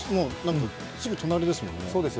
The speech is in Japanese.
すぐ隣ですもんね。